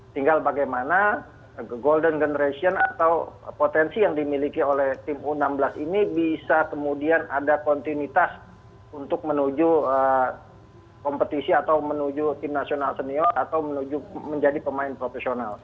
tinggal bagaimana golden generation atau potensi yang dimiliki oleh tim u enam belas ini bisa kemudian ada kontinuitas untuk menuju kompetisi atau menuju tim nasional senior atau menuju menjadi pemain profesional